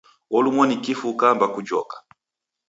Olumwa ni kifu ukaamba kujoka!